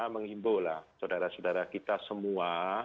menghimbaulah saudara saudara kita semua